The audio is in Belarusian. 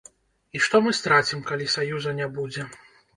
І што мы страцім, калі саюза не будзе?